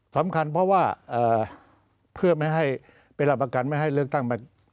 สำคัญเพราะว่าเพื่อไปรับประกันไม่ให้เลือกตั้ง